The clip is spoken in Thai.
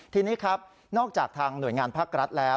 ทีนี้ครับนอกจากทางหน่วยงานภาครัฐแล้ว